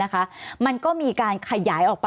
สวัสดีครับทุกคน